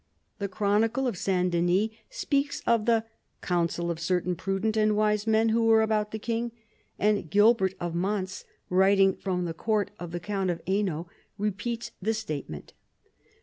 The chronicle of S. Denys speaks of the " counsel of certain prudent and wise men who were about the king," and Gilbert of Mons, writing from the court of the count of Hainault, repeats the statement.